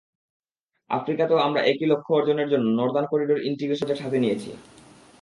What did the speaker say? আফ্রিকাতেও আমরা একই লক্ষ্য অর্জনের জন্য নর্দান করিডর ইন্টিগ্রেশন প্রজেক্ট হাতে নিয়েছি।